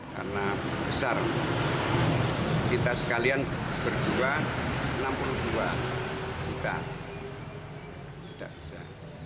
karena besar kita sekalian berdua rp enam puluh dua juta